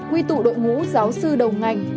quy tụ đội ngũ giáo sư đầu ngành